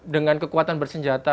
dengan kekuatan bersenjata